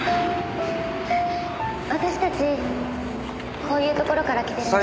私たちこういうところから来てるんです。